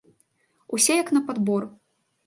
Усе як на падбор.